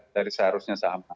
dari seharusnya sama